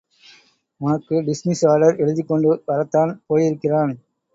உனக்கு dismiss order எழுதிக்கொண்டு வரத்தான் போயிருக்கிறான்.